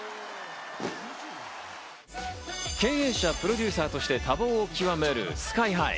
経営者、プロデューサーとして多忙をきわめるＳＫＹ−ＨＩ。